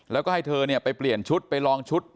แล้วก็ให้เธอไปเปลี่ยนชุดไปลองชุด